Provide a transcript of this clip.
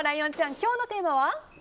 今日のテーマは？